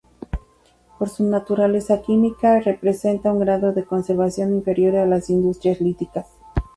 Por su naturaleza química presentan un grado de conservación inferior a las industrias líticas.